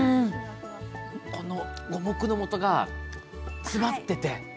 この五目のもとが詰まってて。